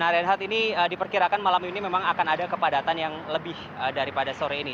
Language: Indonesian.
nah reinhardt ini diperkirakan malam ini memang akan ada kepadatan yang lebih daripada sore ini